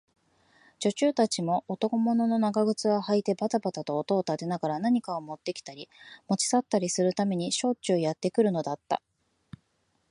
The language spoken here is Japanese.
女中たちも、男物の長靴をはいてばたばた音を立てながら、何かをもってきたり、もち去ったりするためにしょっちゅうやってくるのだった。